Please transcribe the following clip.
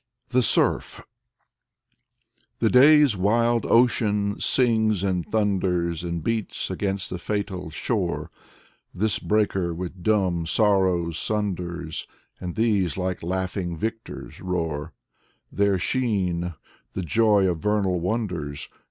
Yurgis Baltrushaitis ill THE SURF The day's wild ocean sings and thunders, And beats against the fatal shore, This breaker with dumb sorrow sunders, And these like laughing victors roar, Their sheen — the joy of vernal wonders.